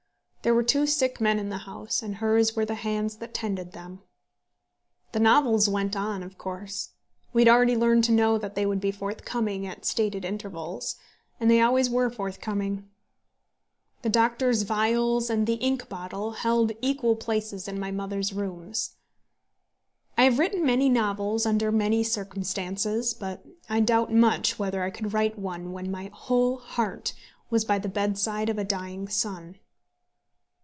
There were two sick men in the house, and hers were the hands that tended them. The novels went on, of course. We had already learned to know that they would be forthcoming at stated intervals, and they always were forthcoming. The doctor's vials and the ink bottle held equal places in my mother's rooms. I have written many novels under many circumstances; but I doubt much whether I could write one when my whole heart was by the bedside of a dying son.